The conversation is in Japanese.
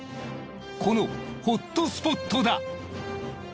このホットスポットだ。